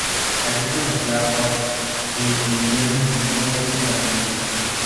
Allí conoció a Hogg, y "el invierno fue un mero pasatiempo.